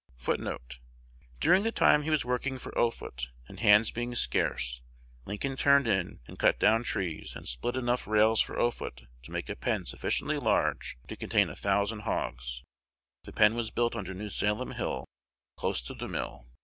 1 "During the time he was working for Offutt, and hands being scarce, Lincoln turned In and cut down trees, and split enough rails for Offutt to make a pen sufficiently large to contain a thousand hogs. The pen was built under New Salem hill, close to the mill....